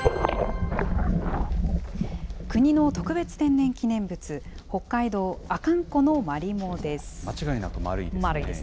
国の特別天然記念物、北海道阿寒湖のマリモです。